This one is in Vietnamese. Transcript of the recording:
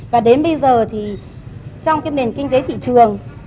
và đến bây giờ thì trong cái nền kinh tế thị trường